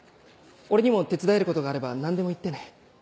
俺にも手伝えることがあれば何でも言ってね。